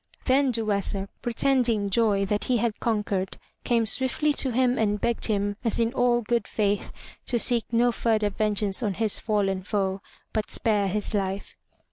Then Duessa, pretending joy that he had conquered, came swiftly to him and begged him as in all good faith to seek no further venge ance on his fallen foe, but spare his life.